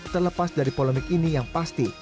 terlepas dari polemik ini yang pasti